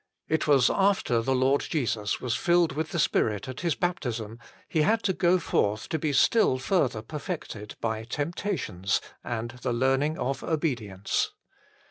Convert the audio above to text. It was after the Lord Jesus was filled with the Spirit at His baptism He had to go forth to be still further perfected by temptations and the learning of obedience.